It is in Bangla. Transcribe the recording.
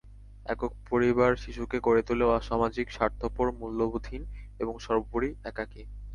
একক পরিবার শিশুকে করে তোলে অসামাজিক, স্বার্থপর, মূল্যবোধহীন এবং সর্বোপরি একাকী।